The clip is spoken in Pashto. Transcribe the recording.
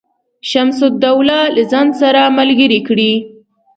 شمس الدوله له ځان سره ملګري کړي.